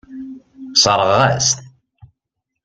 Sseṛɣeɣ-as-t.